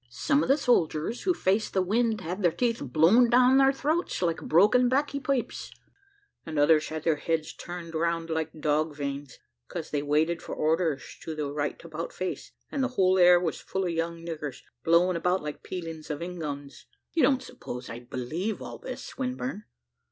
Some of the soldiers who faced the wind had their teeth blown down their throats like broken 'baccy pipes, others had their heads turned round like dog vanes; 'cause they waited for orders to the `_right about face_,' and the whole air was full of young niggers, blowing about like peelings of ingons." "You don't suppose I believe all this, Swinburne?"